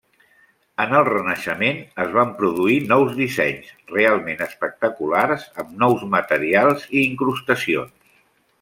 En el Renaixement es van produir nous dissenys realment espectaculars amb nous materials i incrustacions.